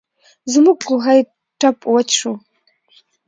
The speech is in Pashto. زموږ کوهۍ ټپ وچ شو.